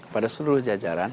pada seluruh jajaran